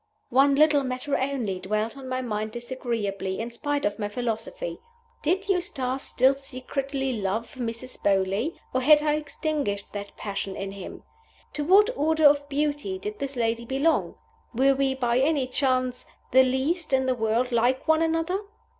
One little matter only dwelt on my mind disagreeably, in spite of my philosophy. Did Eustace still secretly love Mrs. Beauly? or had I extinguished that passion in him? To what order of beauty did this lady belong? Were we by any chance, the least in the world like one another?